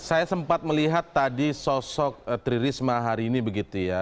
saya sempat melihat tadi sosok tri risma hari ini begitu ya